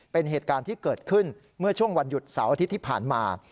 เป็นเหตุการณ์ที่เกิดขึ้นเมื่อช่วงวันหยุดเสาร์อาทิตย์ที่ผ่านมา